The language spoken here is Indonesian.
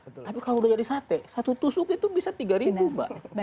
tapi kalau sudah jadi sate satu tusuk itu bisa tiga ribu mbak